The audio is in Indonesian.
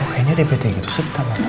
pokoknya dpt gitu sih kita mesra